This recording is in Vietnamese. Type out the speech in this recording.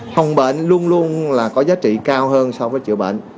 phòng bệnh luôn luôn là có giá trị cao hơn so với chữa bệnh